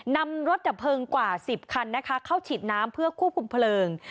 นำรถดับเพลิงกว่า๑๐คันนะคะเข้าฉีดน้ำเพื่อควบคุมเพลิง